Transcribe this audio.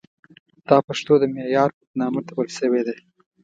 دا پښتو د معیار په نامه ټپل شوې ده.